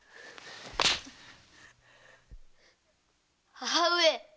母上。